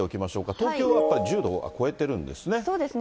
東京はやっぱり１０度は超えてるんですね。